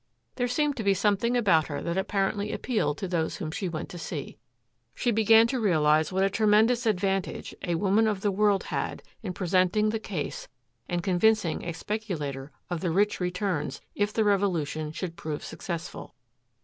There seemed to be something about her that apparently appealed to those whom she went to see. She began to realize what a tremendous advantage a woman of the world had in presenting the case and convincing a speculator of the rich returns if the revolution should prove successful.